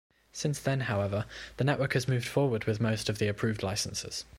Since then, however, the network had moved forward with most of the approved licenses.